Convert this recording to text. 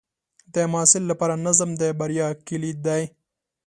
د محصل لپاره نظم د بریا کلید دی.